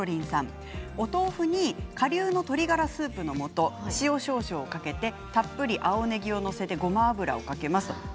お豆腐にかりゅうの鶏ガラスープのもと塩を少々かけてたっぷり青ねぎを載せてごま油をかけます。